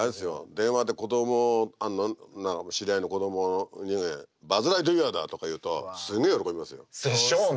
電話で子供知り合いの子供に「バズ・ライトイヤーだ」とか言うとすげえ喜びますよ。でしょうね。